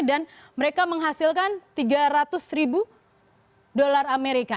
dan mereka menghasilkan tiga ratus ribu dolar amerika